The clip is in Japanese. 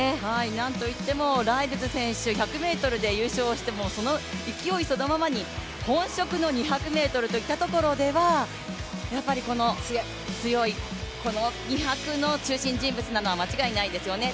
なんといってもライルズ選手、１００ｍで優勝をしてその勢いそのままに、本職の２００ｍと言ったところでは、強い、２００の中心人物なのは間違いないですよね。